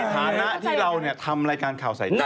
ฐานะที่เราทำรายการข่าวใส่ใจ